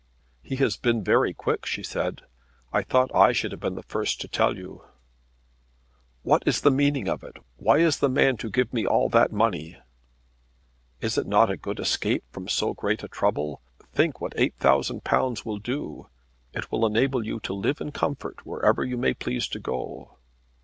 "He has been very quick," she said. "I thought I should have been the first to tell you." "What is the meaning of it? Why is the man to give me all that money?" "Is it not a good escape from so great a trouble? Think what £8,000 will do. It will enable you to live in comfort wherever you may please to go."